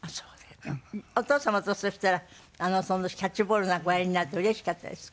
お父様とそしたらキャッチボールなんかおやりになるとうれしかったですか？